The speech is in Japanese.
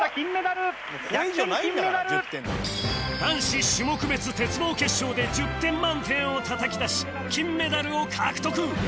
男子種目別鉄棒決勝で１０点満点をたたき出し金メダルを獲得